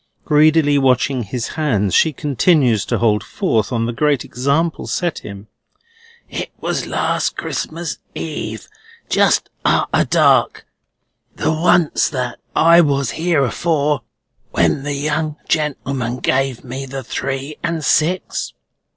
Greedily watching his hands, she continues to hold forth on the great example set him. "It was last Christmas Eve, just arter dark, the once that I was here afore, when the young gentleman gave me the three and six."